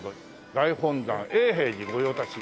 「大本山永平寺御用達」